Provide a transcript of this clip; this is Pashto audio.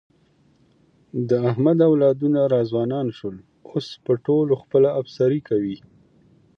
د احمد اولادونه را ځوانان شول، اوس په ټولو خپله افسري کوي.